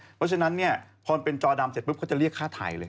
เพราะฉะนั้นพอเป็นจอดำเสร็จก็จะเรียกค่าถ่ายเลย